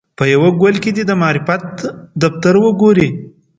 په یوه ګل کې دې د معرفت دفتر وګوري.